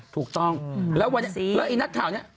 ถูกต้องแล้วไอนะถาวนี้